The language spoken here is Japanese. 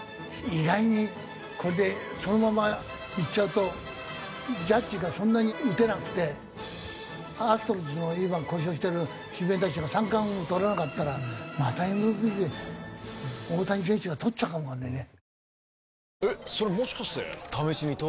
意外にこれでそのままいっちゃうとジャッジがそんなに打てなくてアストロズの今故障してる指名打者が三冠王とらなかったらまたＭＶＰ大谷選手がとっちゃうかもわかんないね。